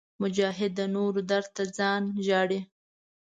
مجاهد د نورو درد ته ځان ژاړي.